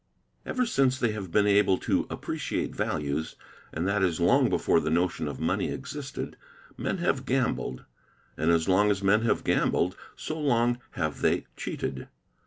Ever since they have been able to appreciate values, and that is long before the notion of money existed, men have gambled; and as long as men have gambled so long have they cheated.